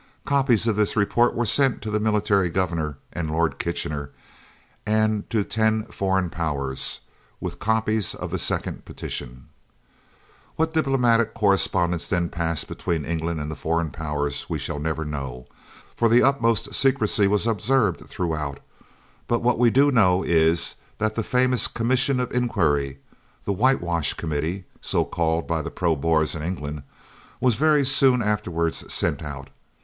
Copies of this report were sent to the Military Governor and Lord Kitchener, and to ten foreign Powers, with copies of the second petition. What diplomatic correspondence then passed between England and the foreign Powers we shall never know, for the utmost secrecy was observed throughout; but what we do know is, that the famous commission of inquiry, the "Whitewash Committee," so called by the Pro Boers in England, was very soon afterwards sent out.